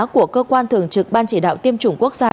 của cơ quan thường trực ban chỉ đạo tiêm chủng quốc gia